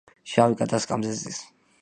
შავი კატა სკამზე ზის.